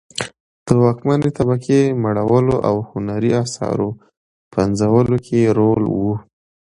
د واکمنې طبقې مړولو او هنري اثارو پنځولو کې یې رول و